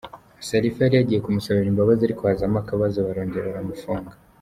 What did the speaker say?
Sharifa yari yagiye kumusabira imbabazi ariko hazamo akabazo barongera baramufunga.”